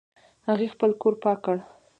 هغې خپل کور پاک کړ